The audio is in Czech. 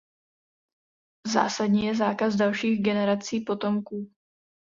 Zásadní je zákaz dalších generací potomků.